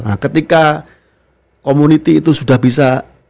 nah ketika community itu sudah bisa